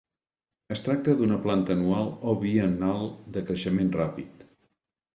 Es tracta d'una planta anual o biennal de creixement ràpid.